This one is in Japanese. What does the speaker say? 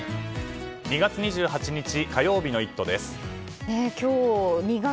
２月２８日火曜日の「イット！」